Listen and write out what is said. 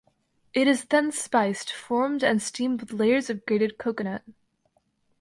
It is then spiced, formed and steamed with layers of grated coconut.